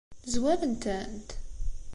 Zwarent-tent?